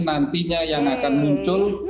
nantinya yang akan muncul